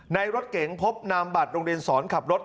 ในรถเก๋งพบนามบัตรโรงเรียนสอนขับรถ